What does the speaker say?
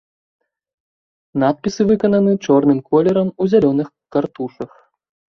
Надпісы выкананы чорным колерам у зялёных картушах.